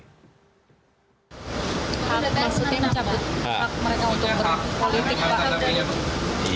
hak maksudnya mencabut hak mereka untuk berhubungan politik